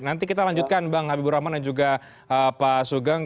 nanti kita lanjutkan bang habibur rahman dan juga pak sugeng